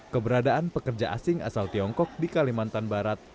keberadaan pekerja asing asal tiongkok di kalimantan barat